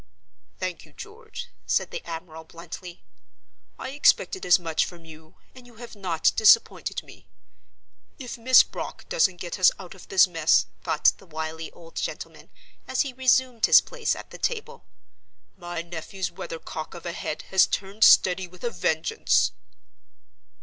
"Thank you, George," said the admiral, bluntly. "I expected as much from you, and you have not disappointed me.—If Miss Brock doesn't get us out of this mess," thought the wily old gentleman, as he resumed his place at the table, "my nephew's weather cock of a head has turned steady with a vengeance!